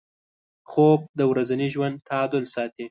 خوب د ورځني ژوند تعادل ساتي